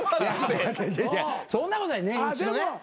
そんなことない年１のね。